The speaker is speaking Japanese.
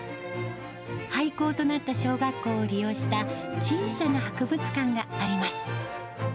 廃校となった小学校を利用した、小さな博物館があります。